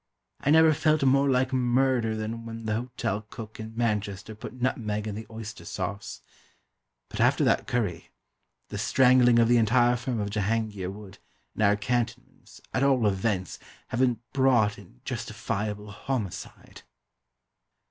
I never felt more like murder than when the hotel cook in Manchester put nutmeg in the oyster sauce; but after that curry, the strangling of the entire firm of Jehangeer would, in our cantonments, at all events, have been brought in "justifiable homicide."